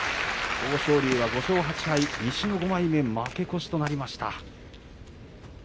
豊昇龍は西の５枚目で負け越しとなりました。